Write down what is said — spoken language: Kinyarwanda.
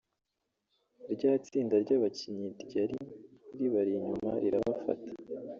rya tsinda ry’abakinnyi ryari ribari inyuma rirabafata